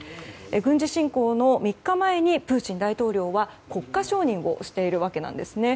軍事侵攻の３日前にプーチン大統領は国家承認をしているわけなんですね。